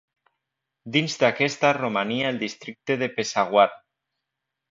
Dins d'aquesta romania el districte de Peshawar.